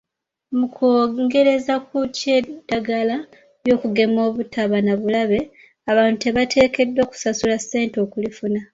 Mu kwongereza ku ky'eddagala ly'okugema obutaba na bulabe, abantu tebateekeddwa kusasula ssente okulifuna.